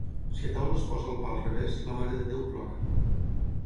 Si a taula es posa el pa al revés, la Mare de Déu plora.